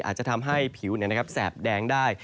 อาจจะทำให้ผิวแสบแดงได้